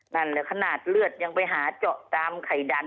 นั่นแหละขนาดเลือดยังไปหาเจาะตามไข่ดัน